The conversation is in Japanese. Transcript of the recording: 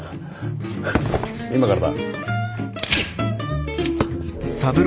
今からだ。